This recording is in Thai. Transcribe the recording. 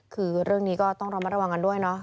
คือเรื่องนี้ก็ต้องระมัดระวังกันด้วยเนาะ